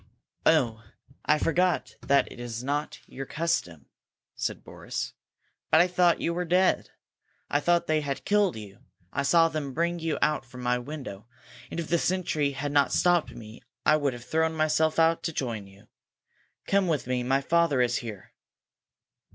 "Oh, I forgot that is not your custom!" said Boris. "But I thought you were dead! I thought they had killed you! I saw them bring you out from my window, and if the sentry had not stopped me, I would have thrown myself out to join you! Come with me my father is here!"